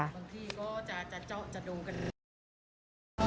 บางทีก็จะเจาะจะดูกัน